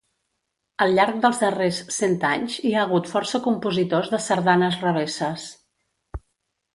Al llarg dels darrers cent anys hi ha hagut força compositors de sardanes revesses.